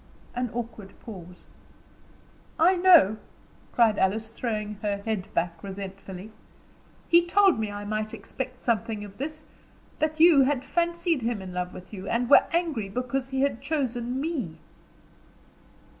An awkward pause. "I know!" cried Alice, throwing back her head resentfully. "He told me I might expect something of this that you had fancied him in love with you, and were angry because he had chosen me."